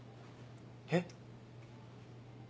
えっ？